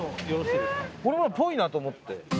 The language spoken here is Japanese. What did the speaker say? これはぽいなと思って。